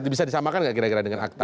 bisa disamakan gak kira kira dengan akta